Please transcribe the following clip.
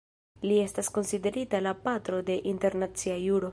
Li estas konsiderita la "patro de internacia juro".